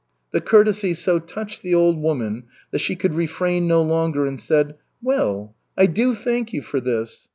The courtesy so touched the old woman that she could refrain no longer and said: "Well, I do thank you for this.